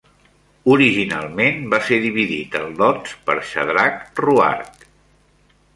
Originalment va ser dividit en lots per Shadrach Ruark.